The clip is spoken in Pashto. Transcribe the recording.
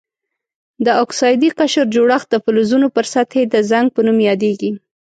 د اکسایدي قشر جوړښت د فلزونو پر سطحې د زنګ په نوم یادیږي.